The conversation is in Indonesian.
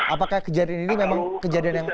apakah kejadian ini memang kejadian yang